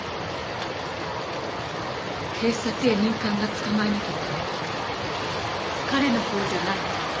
警察や入管が捕まえなきゃいけないのは彼のほうじゃないの？